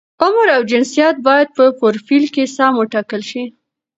عمر او جنسیت باید په فروفیل کې سم وټاکل شي.